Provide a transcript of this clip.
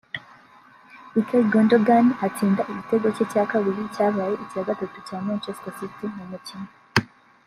Ikay Gundogan atsinda igitego cye cya kabiri cyabaye icya gatatu cya Manchester City mu mukino